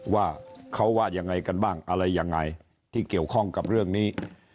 ว่าเขาว่ายังไงกันบ้างอะไรยังไงที่เกี่ยวข้องกับเรื่องนี้